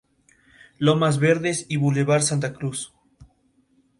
En esta nueva publicación, Miguel Portas fue columnista y corresponsal.